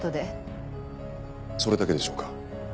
それだけでしょうか。